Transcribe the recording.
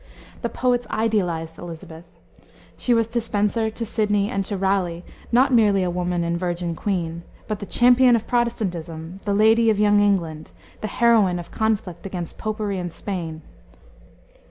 The poets idealized Elisabeth. She was to Spenser, to Sidney, and to Raleigh, not merely a woman and a virgin queen, but the champion of Protestantism, the lady of young England, the heroine of the conflict against popery and Spain.